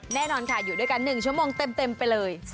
แน่นอนค่ะอยู่ด้วยกัน๑ชั่วโมงเต็มไปเลย